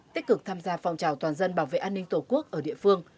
tích cực tham gia phòng trào toàn dân bảo vệ an ninh tổ quốc ở địa phương